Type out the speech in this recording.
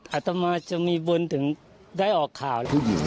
อาตรมาจะมีบ้นถึงได้ออกข่าว